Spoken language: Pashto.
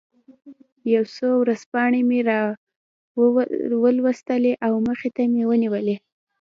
یو څو ورځپاڼې مې را وویستلې او مخې ته مې ونیولې.